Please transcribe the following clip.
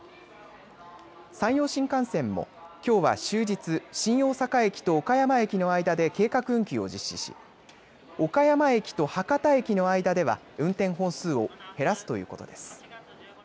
山陽新幹線もきょうは終日新大阪駅と岡山駅の間で計画運休を実施し岡山駅と博多駅の間では運転本数を減らすということです。